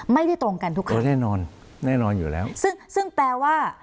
ไม่ได้ตรงกันทุกครั้งแน่นอนแน่นอนอยู่แล้วซึ่งซึ่งแปลว่า